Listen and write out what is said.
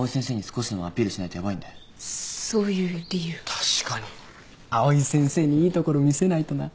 確かに藍井先生にいいところ見せないとな。